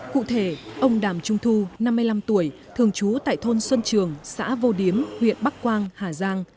cụ thể ông đàm trung thu năm mươi năm tuổi thường trú tại thôn xuân trường xã vô điếm huyện bắc quang hà giang